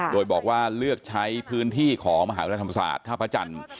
โดยบอกว่าเลือกใช้พื้นที่ของมหาวิทยาลัยธรรมศาสตร์ท่าพระจันทร์